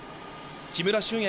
木村俊哉